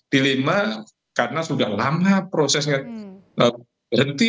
dilima karena sudah lama prosesnya berhenti